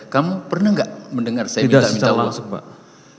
kamu pernah gak mendengar saya minta maaf